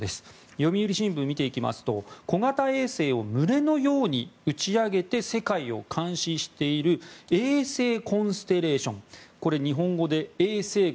読売新聞を見ていきますと小型衛星を群れのように打ち上げて世界を監視している衛星コンステレーションこれ、日本語で衛星群